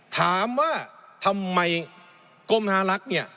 ถามว่าทำไมกรมธนาลักษณ์เนี่ย